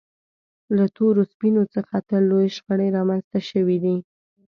له تورو سپینو څخه تل لویې شخړې رامنځته شوې دي.